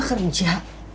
hai kamu gak kerja